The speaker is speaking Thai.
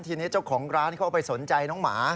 ทีนี้เจ้าของร้านเขาก็ไปสนใจน้องหมา